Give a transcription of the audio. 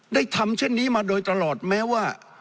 ทำเช่นนี้มาโดยตลอดแม้ว่า